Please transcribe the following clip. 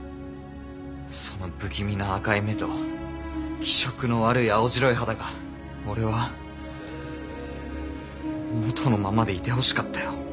その不気味な赤い目と気色の悪い青白い肌が俺は元のままでいてほしかったよ。